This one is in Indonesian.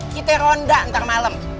kita ronda ntar malem